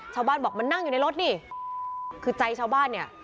ชาวบ้านบอกมันนั่งอยู่ในรถนี่คือใจชาวบ้านเนี่ย